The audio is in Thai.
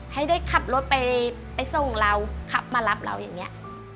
ให้ได้ขับรถไปส่งเราขับมารับเราอย่างนี้